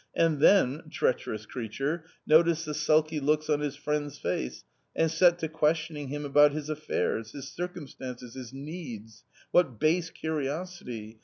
And then — treacherous creature !— noticed the sulky looks on his friend's face, and set to questioning him about his affairs, his circumstances, his needs — what base curiosity